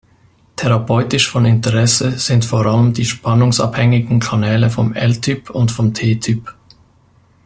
Therapeutisch von Interesse sind vor allem die spannungsabhängigen Kanäle vom L-Typ und vom T-Typ.